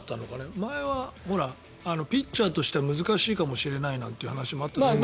前はピッチャーとして難しいかもしれないなんて話があったけど。